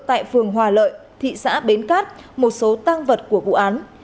tại phường hòa lợi thị xã bến cát một số tăng vật của vụ án